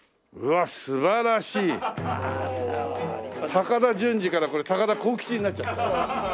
高田純次からこれ高田浩吉になっちゃった。